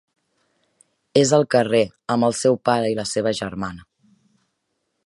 És al carrer amb el seu pare i la seva germana.